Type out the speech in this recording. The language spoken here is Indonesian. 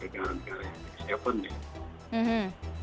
jadi dana dana yang dikirim ke tujuh